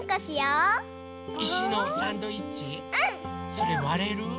それわれる？